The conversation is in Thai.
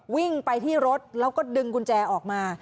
วิ่งไปที่รถแล้วก็ดึงกุญแจออกมา